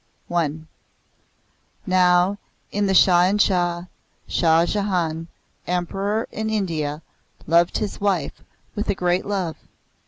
I Now the Shah in Shah, Shah Jahan, Emperor in India, loved his wife with a great love.